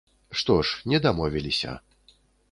Што ж, не дамовіліся.